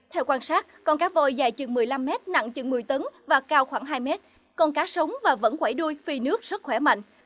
theo quan sát con cá voi dài chừng một mươi năm mét nặng chừng một mươi tấn và cao khoảng hai mét còn cá sống và vẫn quẩy đuôi phi nước rất khỏe mạnh